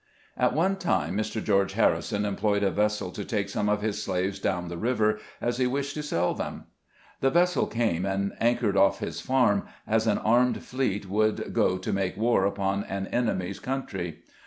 |T one time, Mr. George Harrison employed a vessel to take some of his slaves down the river, as he wished to sell them. The vessel came, and anchored off his farm, as an armed fleet would go to make war upon an enemy's coun try.